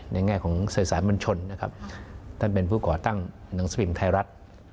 ในแง่ของสื่อสารบวรชนท่านเป็นผู้ก่อตั้งหนังสือภิมศ์ไทยรัฐ